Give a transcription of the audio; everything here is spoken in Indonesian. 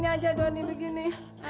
ini aja donny begini